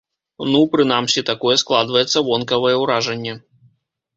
Ну, прынамсі такое складаецца вонкавае ўражанне.